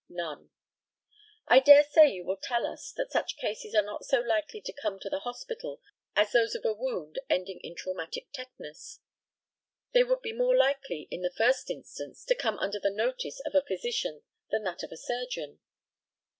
None. I dare say you will tell us that such cases are not so likely to come to the hospital as those of a wound ending in traumatic tetanus; they would more likely, in the first instance, to come under the notice of a physician than that of a surgeon?